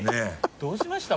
どうしました？